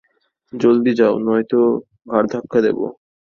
জলদি যাও নয়তো ঘাড়ধাক্কা দেবো।